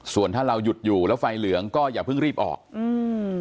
ส่วนถ้าเราหยุดอยู่แล้วไฟเหลืองก็อย่าเพิ่งรีบออกอืม